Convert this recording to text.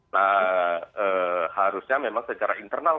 nah harusnya memang secara internal